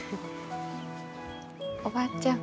おばあちゃん